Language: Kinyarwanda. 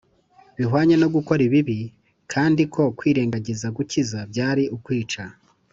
bihwanye no gukora ibibi; kandi ko kwirengagiza gukiza byari ukwica